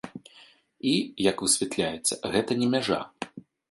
І, як высвятляецца, гэта не мяжа.